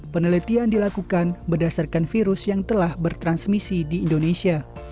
penelitian dilakukan berdasarkan virus yang telah bertransmisi di indonesia